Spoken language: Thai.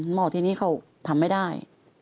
หมอที่นี่เขาทำไม่ได้